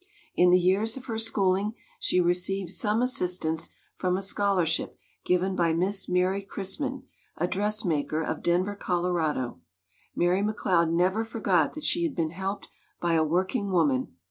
In the years of her schooling she received some as sistance from a scholarship given by Miss Mary Chrisman, a dressmaker of Denver, Colorado. Mary McLeod never forgot that she had been helped by a working woman.